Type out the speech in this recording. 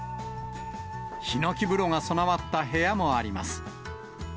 ひのき風呂が備わった部屋もあります。